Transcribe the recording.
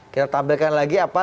kita tampilkan lagi apa